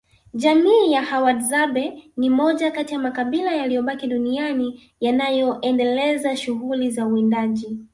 Jamii ya Wahadzabe ni moja kati ya makabila yaliyobaki duniani yanayoendeleza shughuli za uwindaji